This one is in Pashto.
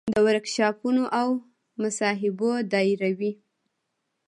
د ورکشاپونو او مصاحبو دایروي.